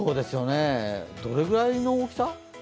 どれぐらいの大きさ？